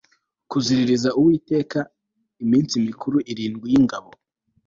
kuziririza uwiteka iminsi mikuru irindwi y ingando